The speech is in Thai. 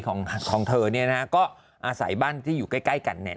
ก็อาศัยบ้านที่อยู่ใกล้